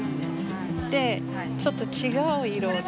ちょっと違う色で。